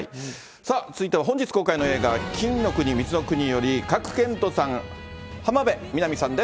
さあ、続いては本日公開の映画、金の国水の国より、賀来賢人さん、浜辺美波さんです。